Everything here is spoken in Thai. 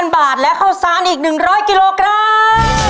๑๕๐๐๐บาทและข้าวส่านอีก๑๐๐กิโลกรัม